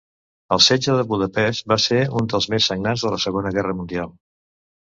El Setge de Budapest va ser un dels més sagnants de la Segona Guerra Mundial.